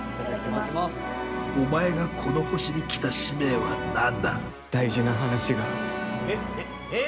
お前がこの星に来た使命はな大事な話が。え？